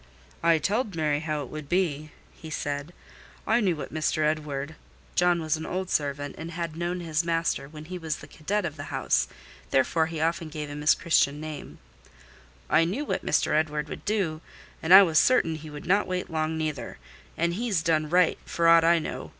"I telled Mary how it would be," he said: "I knew what Mr. Edward" (John was an old servant, and had known his master when he was the cadet of the house, therefore, he often gave him his Christian name)—"I knew what Mr. Edward would do; and I was certain he would not wait long neither: and he's done right, for aught I know.